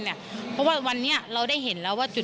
เพราะว่าวันนี้เราได้เห็นแล้วว่า